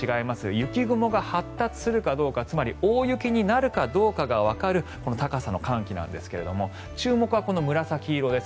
雪雲が発達するかどうかつまり大雪になるかどうかがわかる高さの寒気なんですが注目はこの紫色です。